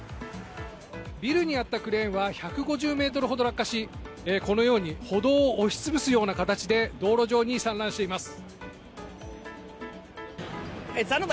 ビルにあったクレーンは１５０ｍほど落下しこのように歩道を押し潰すような形で道路上に散乱しています。